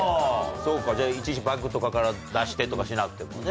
そうかいちいちバッグとかから出してとかしなくてもね。